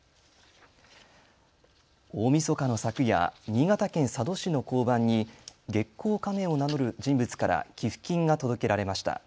大みそかの昨夜、新潟県佐渡市の交番に月光仮面を名乗る人物から寄付金が届けられました。